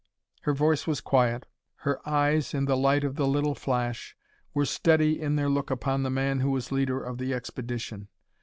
Her voice was quiet; her eyes, in the light of the little flash, were steady in their look upon the man who was leader of the expedition.